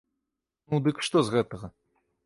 Ну, дык што з гэтага?